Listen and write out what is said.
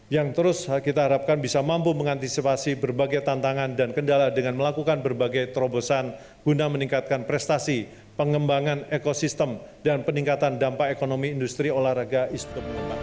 yang terus kita harapkan bisa mampu mengantisipasi berbagai tantangan dan kendala dengan melakukan berbagai terobosan guna meningkatkan prestasi pengembangan ekosistem dan peningkatan dampak ekonomi industri olahraga eastroke